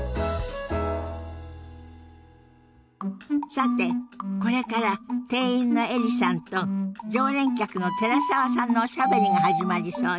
さてこれから店員のエリさんと常連客の寺澤さんのおしゃべりが始まりそうよ。